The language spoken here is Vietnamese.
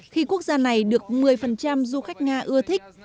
khi quốc gia này được một mươi du khách nga ưa thích